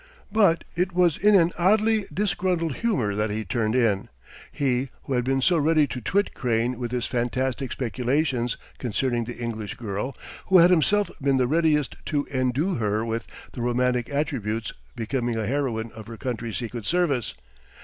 But it was in an oddly disgruntled humour that he turned in he who had been so ready to twit Crane with his fantastic speculations concerning the English girl, who had himself been the readiest to endue her with the romantic attributes becoming a heroine of her country's Secret Service!